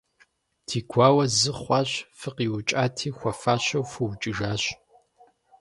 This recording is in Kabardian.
Ди гуауэ зы хъуащ - фыкъиукӀати, хуэфащэу фыукӀыжащ.